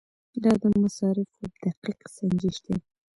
دا د مصارفو دقیق سنجش دی.